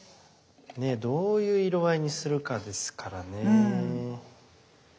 ねどういう色合いにするかですからね。